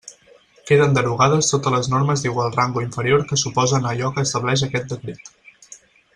Queden derogades totes les normes d'igual rang o inferior que s'oposen a allò que estableix aquest decret.